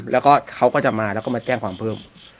แล้วก็เขาก็จะมาแล้วก็มาแจ้งความเพิ่ม